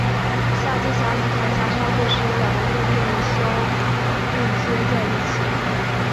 下机匣及弹匣插座是由两个固定销固接在一起。